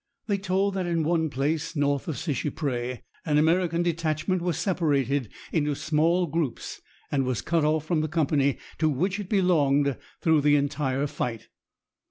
They told that in one place north of Seicheprey, an American detachment was separated into small groups, and was cut off from the company to which it belonged through the entire fight.